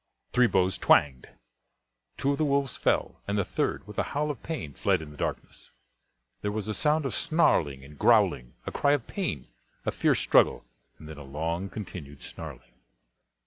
Three bows twanged. Two of the wolves fell, and the third, with a howl of pain, fled in the darkness. There was a sound of snarling and growling; a cry of pain, a fierce struggle, and then a long continued snarling.